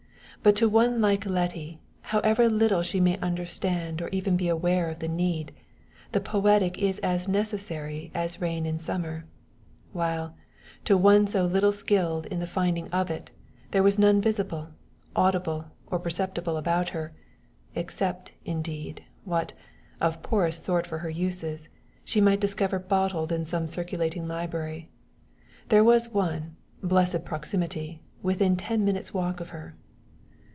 But to one like Letty, however little she may understand or even be aware of the need, the poetic is as necessary as rain in summer; while, to one so little skilled in the finding of it, there was none visible, audible, or perceptible about her except, indeed, what, of poorest sort for her uses, she might discover bottled in some circulating library: there was one blessed proximity! within ten minutes' walk of her.